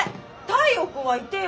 太陽君はいてよ！